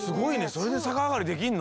それでさかあがりできんの？